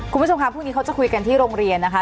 คุณผู้ชมค่ะพรุ่งนี้เขาจะคุยกันที่โรงเรียนนะคะ